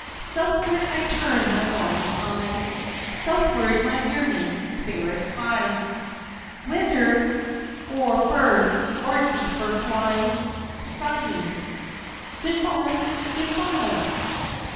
Southward I turn my longing eyes, Southward my yearning spirit hies, Whither or bird or zephyr flies Sighing "Good bye, good bye!"